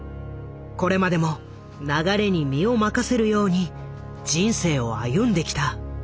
これまでも流れに身を任せるように人生を歩んできた。